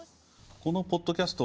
このポッドキャスト